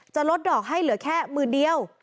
ลดดอกให้เหลือแค่หมื่นเดียว